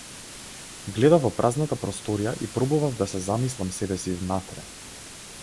Гледав во празната просторија и пробував да се замислам себеси внатре.